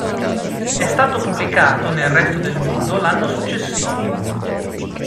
È stato pubblicato nel resto del mondo l'anno successivo.